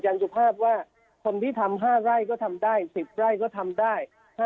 สุภาพว่าคนที่ทำ๕ไร่ก็ทำได้๑๐ไร่ก็ทำได้